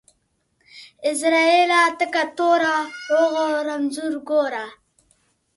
عزرائيله تکه توره ، روغ او رنځور گوره.